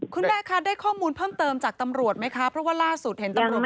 คุณแม่คะได้ข้อมูลเพิ่มเติมจากตำรวจไหมคะเพราะว่าล่าสุดเห็นตำรวจ